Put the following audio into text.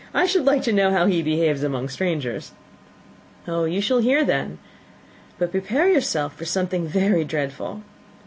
"I should like to know how he behaves among strangers." "You shall hear, then but prepare for something very dreadful.